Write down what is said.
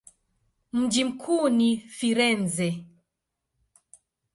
Mji mkuu ni Firenze.